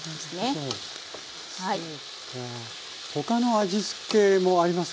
他の味付けもありますか？